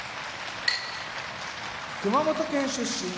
熊本県出身